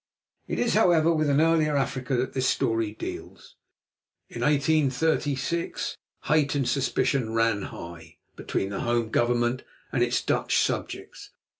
It is, however, with an earlier Africa that this story deals. In 1836, hate and suspicion ran high between the Home Government and its Dutch subjects.